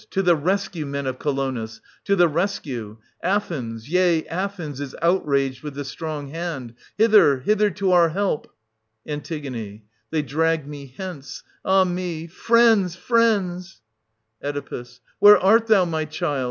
To the rescue, men of Colonus — to the rescue ! Athens — yea, Athens — is outraged with the strong hand ! Hither, hither to our help ! An. They drag me hence — ah me !— friends, friends ! Oe. Where art thou, my child